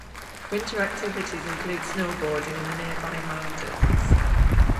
Winter activities include snowboarding in the nearby mountains.